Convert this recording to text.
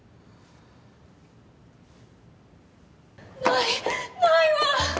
ないないわ！